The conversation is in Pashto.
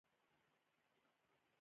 مناسب کور او زده کړې هم اړینې دي.